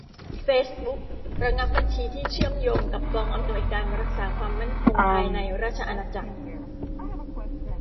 เฟซบุ๊กระงับบัญชีที่เชื่อมโยงกับ กองอำนวยการรักษาความมั่นคงภายในราชอาณาจักร